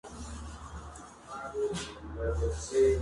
Su principal teórico fue Nicolas de Condorcet.